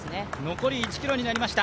残り１ｋｍになってきました。